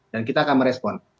dan kita akan merespon